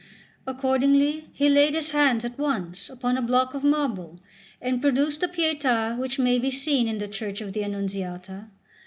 Accordingly he laid his hands at once upon a block of marble, and produced the Pietà which may be seen in the church of the Annunziata.